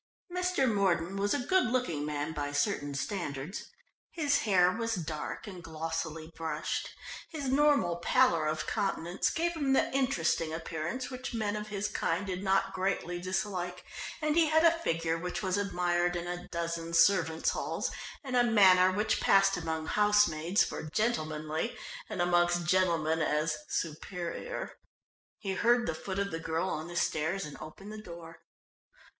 Mr. Mordon was a good looking man by certain standards. His hair was dark and glossily brushed. His normal pallor of countenance gave him the interesting appearance which men of his kind did not greatly dislike, and he had a figure which was admired in a dozen servants' halls, and a manner which passed amongst housemaids for "gentlemanly," and amongst gentlemen as "superior." He heard the foot of the girl on the stairs, and opened the door.